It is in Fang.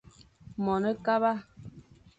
Mone kaba.